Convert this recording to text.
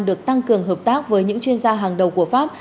được tăng cường hợp tác với những chuyên gia hàng đầu của pháp